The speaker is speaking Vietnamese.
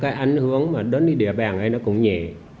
cái ảnh hưởng mà đến cái địa bàn hay nó cũng nhẹ